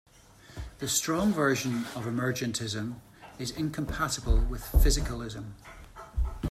The strong version of emergentism is incompatible with physicalism.